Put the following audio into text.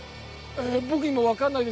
僕にも分かんないですよ